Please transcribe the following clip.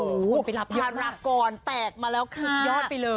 เอูยหัวผู้ขณะระกรแตกมาแล้วค่ะยอดไปเลย